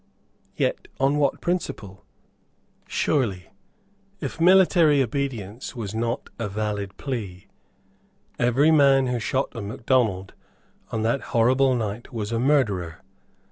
Yet on what principle? Surely, if military obedience was not a valid plea, every man who shot a Macdonald on that horrible night was a murderer.